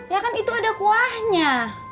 ya kan itu ada kuahnya